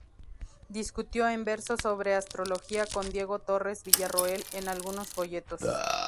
Discutió en verso sobre astrología con Diego Torres Villarroel en algunos folletos.